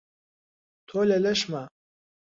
تۆ لە لەشما